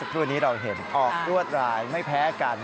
ครูนี้เราเห็นออกรวดรายไม่แพ้กัน